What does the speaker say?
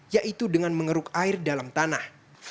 yaitu dengan mengeruk air dalam tanah